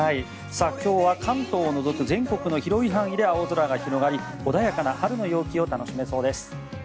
今日は関東を除く全国の広い範囲で青空が広がり穏やかな春の陽気を楽しめそうです。